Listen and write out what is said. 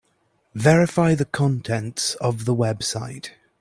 Verify the contents of the website.